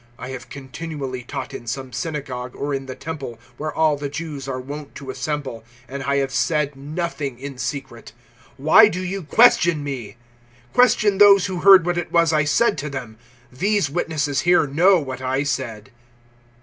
I have continually taught in some synagogue or in the Temple where all the Jews are wont to assemble, and I have said nothing in secret. 018:021 Why do you question me? Question those who heard what it was I said to them: these witnesses here know what I said."